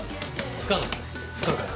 不可能？不可解？